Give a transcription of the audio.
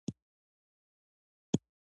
خاوره د افغانستان د طبیعي زیرمو برخه ده.